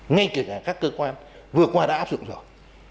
ngay kể cả các cơ quan vừa qua đã áp dụng rồi